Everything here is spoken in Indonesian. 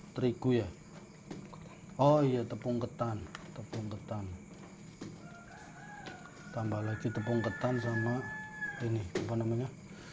terigu ya oh iya tepung ketan tepung ketan hai tambah lagi tepung ketan sama ini apa namanya